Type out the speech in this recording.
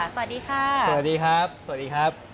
สวัสดีค่ะสวัสดีครับ